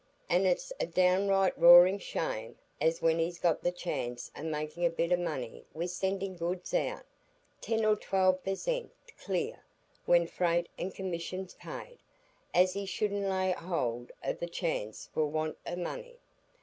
An' it's a downright roarin' shame, as when he's got the chance o' making a bit o' money wi' sending goods out,—ten or twelve per zent clear, when freight an' commission's paid,—as he shouldn't lay hold o' the chance for want o' money.